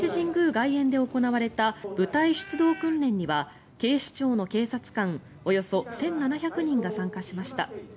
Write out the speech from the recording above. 外苑で行われた部隊出動訓練には警視庁の警察官およそ１７００人が参加しました。